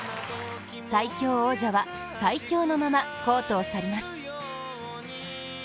最強王者は最強のままコートを去ります。